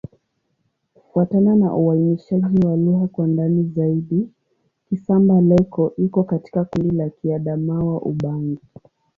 Kufuatana na uainishaji wa lugha kwa ndani zaidi, Kisamba-Leko iko katika kundi la Kiadamawa-Ubangi.